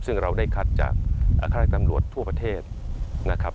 ซึ่งเราได้คัดจากฆาตตำรวจทั่วประเทศนะครับ